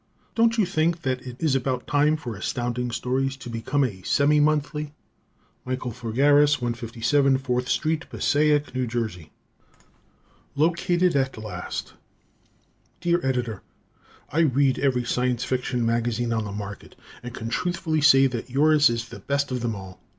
Don't you think that it is about time for Astounding Stories to become a semi monthly? Michael Fogaris, 157 Fourth Street, Passaic, N. J. Located at Last Dear Editor: I read every Science Fiction magazine on the market, and can truthfully say that yours is the best of them all.